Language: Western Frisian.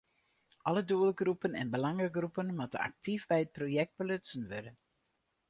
Alle doelgroepen en belangegroepen moatte aktyf by it projekt belutsen wurde.